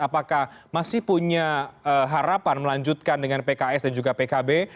apakah masih punya harapan melanjutkan dengan pks dan juga pkb